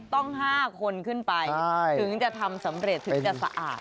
ต้อง๕คนขึ้นไปถึงจะทำสำเร็จถึงจะสะอาด